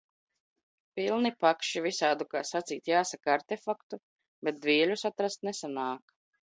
Pilni pakši visādu, kā sacīt jāsaka, artefaktu, bet dvieļus atrast nesanāk!